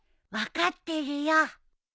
分かってるよ。